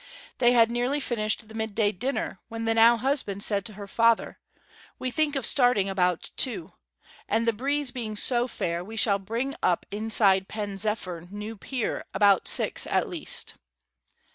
They had nearly finished the midday dinner when the now husband said to her father, 'We think of starting about two. And the breeze being so fair we shall bring up inside Pen zephyr new pier about six at least.'